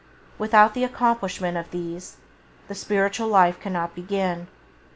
Without the accomplishment of these, the spiritual life cannot be begun.